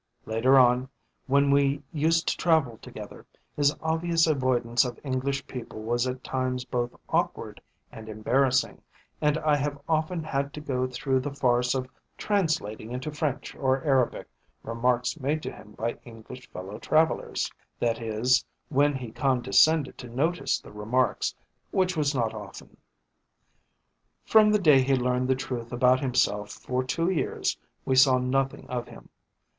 Later on, when we used to travel together, his obvious avoidance of English people was at times both awkward and embarrassing, and I have often had to go through the farce of translating into French or Arabic remarks made to him by English fellow travellers, that is, when he condescended to notice the remarks, which was not often. From the day he learned the truth about himself for two years we saw nothing of him.